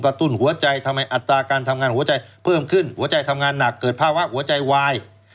ตุ้นหัวใจทำให้อัตราการทำงานหัวใจเพิ่มขึ้นหัวใจทำงานหนักเกิดภาวะหัวใจวาย